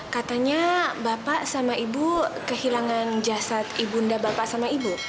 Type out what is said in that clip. katanya bapak sama ibu kehilangan jasad ibu nda bapak sama ibu